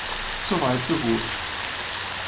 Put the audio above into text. So weit, so gut.